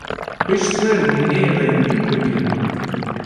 Piştre wêneyê rengîn bikin.